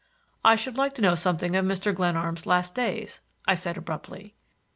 "I should like to know something of Mr. Glenarm's last days," I said abruptly.